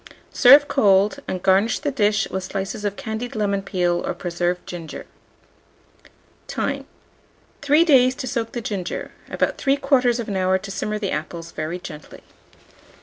Serve cold, and garnish the dish with slices of candied lemon peel or preserved ginger. Time. 3 days to soak the ginger; about 3/4 hour to simmer the apples very gently.